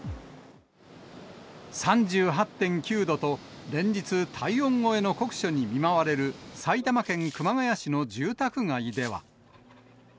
３８．９度と連日、体温超えの酷暑に見舞われる埼玉県熊谷市の住宅街では。